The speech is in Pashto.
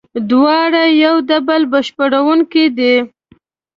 دواړه یو د بل بشپړوونکي دي.